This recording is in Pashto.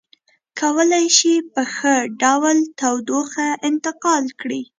کولی شي په ښه ډول تودوخه انتقال کړي.